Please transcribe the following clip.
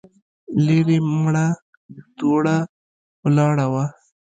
ليرې مړه دوړه ولاړه وه.